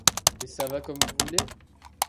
Et ça va comme vous voulez?